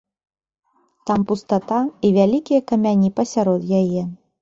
Там пустата і вялікія камяні пасярод яе.